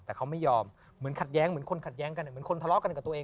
แต่เขาไม่ยอมเหมือนขัดแย้งเหมือนคนขัดแย้งกันเหมือนคนทะเลาะกันกับตัวเอง